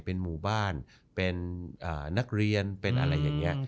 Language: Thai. เป็นหมู่บ้านเป็นนักเรียนเป็นอะไรอย่างนี้